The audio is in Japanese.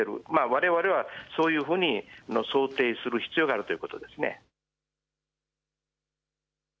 われわれはそういうふうに想定する必要があるということですね。